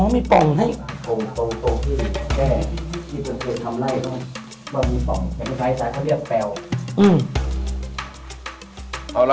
มีงานให้